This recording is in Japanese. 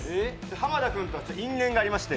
濱田君とは因縁がありまして。